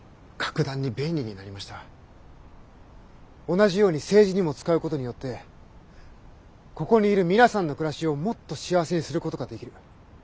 同じように政治にも使うことによってここにいる皆さんの暮らしをもっと幸せにすることができる。